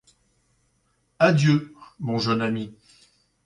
Adieu, mon jeune ami.